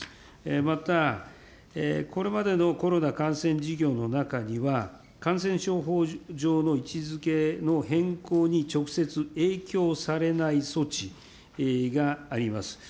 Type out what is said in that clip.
また、これまでのコロナ感染事業の中には、感染症法上の位置づけの変更に直接影響されない措置があります。